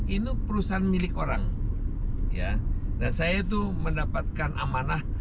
ini perusahaan milik orang ya dan saya itu mendapatkan amanah